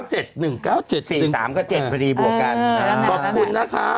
พอดีบวกกันขอบคุณนะคะ